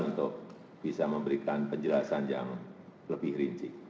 untuk bisa memberikan penjelasan yang lebih rinci